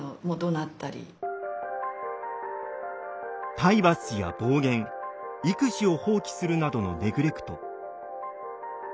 体罰や暴言育児を放棄するなどのネグレクト。